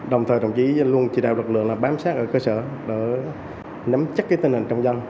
đồng thời đồng chí luôn chỉ đạo lực lượng là bám sát ở cơ sở để nắm chắc cái tình hình trong dân